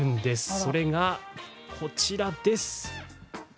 それがこちらです。